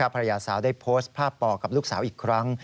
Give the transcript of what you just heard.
ภรรยาสาวได้โพสต์ภาพปอกับลูกสาวอีกครั้ง